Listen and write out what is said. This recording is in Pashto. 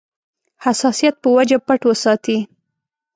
حساسیت په وجه پټ وساتي.